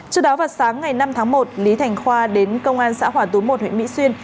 trước đó vào sáng ngày năm tháng một lý thành khoa đến công an xã hòa tú một huyện mỹ xuyên